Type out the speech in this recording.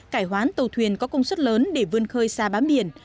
cải hoán tàu thuyền có công suất lớn để vươn khơi xa bám biển